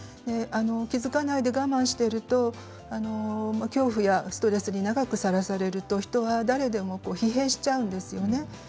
気付かないで我慢していると恐怖やストレスに長くさらされると人は誰でも疲弊しちゃうんですよね。